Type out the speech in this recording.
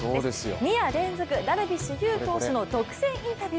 ２夜連続ダルビッシュ有選手の独占インタビュー。